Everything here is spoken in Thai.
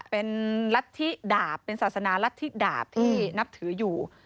เป็นรัฐธิดาบเป็นศาสนารัฐธิดาบที่นับถืออยู่